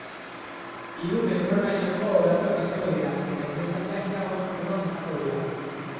Hiru metrorainoko olatuak espero dira, eta itsasaldiak ia bost metrokoak izango dira.